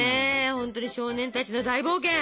ほんとに少年たちの大冒険。